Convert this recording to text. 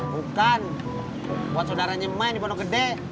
bukan buat saudara nyemain di pondok gede